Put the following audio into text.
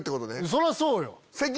そらそうよ！